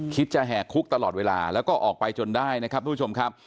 จะแหกคุกตลอดเวลาแล้วก็ออกไปจนได้นะครับทุกผู้ชมครับ